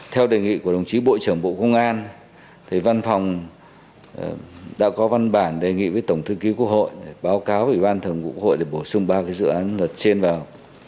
theo đề nghị của đồng chí bộ trưởng bộ công an văn phòng đã có văn bản đề nghị với tổng thư ký quốc hội báo cáo ủy ban thường vụ quốc hội để bổ sung ba dự án luật trên vào